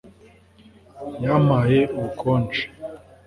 Yampaye ubukonje